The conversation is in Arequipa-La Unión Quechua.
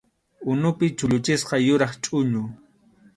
Unupi chulluchisqa yuraq chʼuñu.